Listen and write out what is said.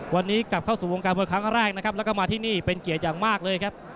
วันนี้กลับเข้าสู่วงการมวยครั้งแรกนะครับแล้วก็มาที่นี่เป็นเกียรติอย่างมากเลยครับ